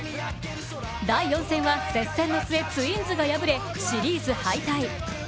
第４戦は、接戦の末ツインズが敗れシリーズ敗退。